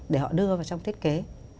để họ đưa vào trong thiết kế